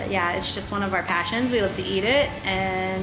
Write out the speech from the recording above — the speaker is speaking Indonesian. ya itu hanya salah satu pasien kita kita suka makan